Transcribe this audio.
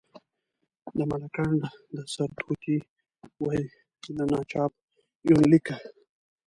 د ملکنډ د سرتوتي وی، له ناچاپ یونلیکه.